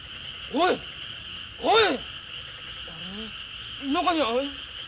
おいおい。